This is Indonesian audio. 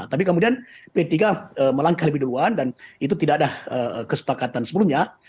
tapi kemudian p tiga melangkah lebih duluan dan itu tidak ada kesepakatan sebelumnya